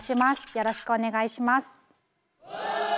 よろしくお願いします。